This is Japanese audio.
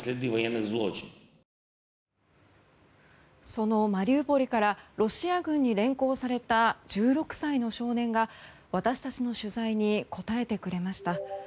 そのマリウポリからロシア軍に連行された１６歳の少年が、私たちの取材に答えてくれました。